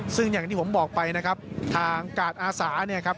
ซึ่งอย่างที่ผมบอกไปนะครับทางกาดอาสาเนี่ยครับ